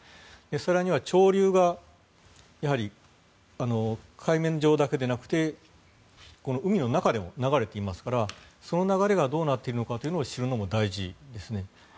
更には潮流が海面上だけでなくて海の中でも流れていますからその流れがどうなっているのかを知るのも大事ですね。